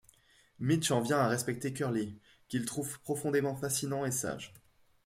Mitch en vient à respecter Curly, qu'il trouve profondément fascinant et sage.